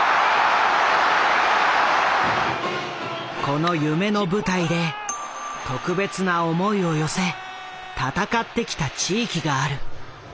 この夢の舞台で特別な思いを寄せ闘ってきた地域がある。